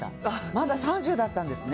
まだ３０だったんですね。